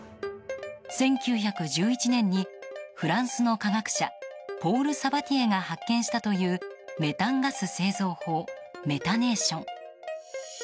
１９１１年にフランスの科学者ポール・サバティエが発見したというメタンガス製造法メタネーション。